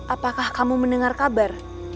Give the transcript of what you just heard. apakah kamu mendengar kabar